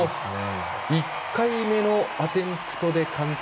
１回目のアテンプトで完登。